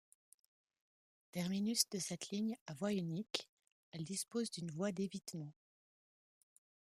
Terminus de cette ligne à voie unique, elle dispose d'une voie d'évitement.